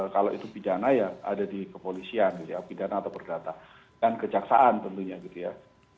kalau itu pidana ya ada di kepolisian gitu ya pidana atau perdata dan kejaksaan tentunya gitu ya